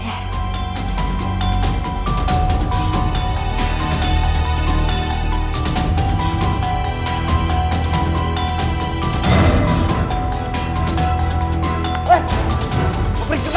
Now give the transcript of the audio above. terima kasih raja enam ratus